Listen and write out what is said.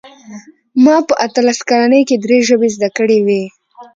ما په اتلس کلنۍ کې درې ژبې زده کړې وې